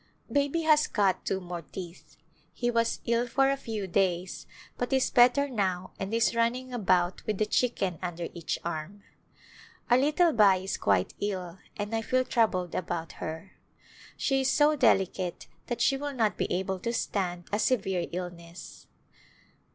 Baby has cut two more teeth. He was ill for a few days but is better now and is running about with a chicken under each arm. Our little Bai is quite ill and I feel troubled about her. She is so delicate that she will not be able to stand a severe illness.